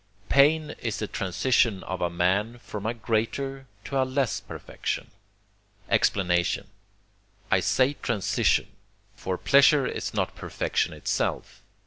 Pain is the transition of a man from a greater to a less perfection. Explanation I say transition: for pleasure is not perfection itself.